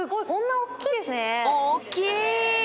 大きい！